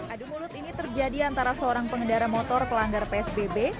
adu mulut ini terjadi antara seorang pengendara motor pelanggar psbb